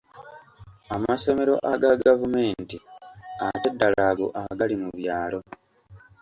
Amasomero aga gavumenti ate ddala ago agali mu byalo.